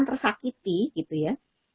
tersakiti gitu ya